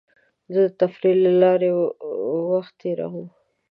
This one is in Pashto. زه د تفریح له لارې وخت تېرووم.